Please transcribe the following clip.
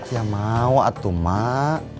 ya mau atuh mak